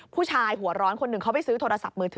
ผู้ชายหัวร้อนคนหนึ่งเขาไปซื้อโทรศัพท์มือถือ